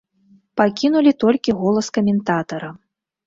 Пакінулі толькі голас каментатара.